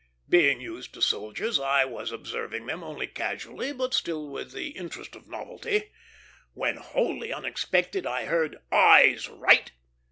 Being used to soldiers, I was observing them only casually, but still with the interest of novelty, when wholly unexpectedly I heard, "Eyes right!"